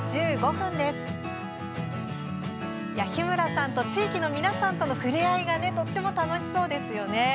日村さんと地域の皆さんとの触れ合いがとっても楽しそうですよね。